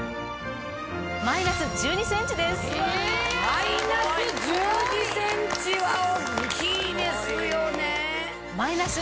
マイナス１２ｃｍは大っきいですよね。